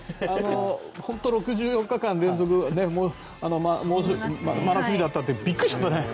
本当に６６日間連続真夏日だったってびっくりしちゃったね。